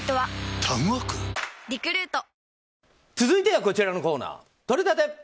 続いてはこちらのコーナーとれたて！